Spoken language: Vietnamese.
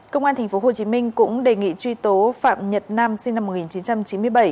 công an tp hcm cũng đề nghị truy tố phạm nhật nam sinh năm một nghìn chín trăm chín mươi bảy